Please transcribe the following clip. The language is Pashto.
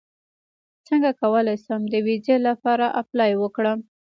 څنګه کولی شم د ویزې لپاره اپلای وکړم